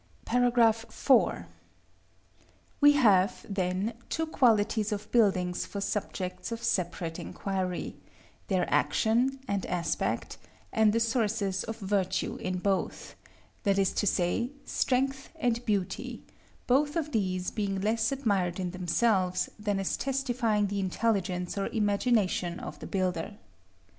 § IV. We have, then, two qualities of buildings for subjects of separate inquiry: their action, and aspect, and the sources of virtue in both; that is to say, Strength and Beauty, both of these being less admired in themselves, than as testifying the intelligence or imagination of the builder.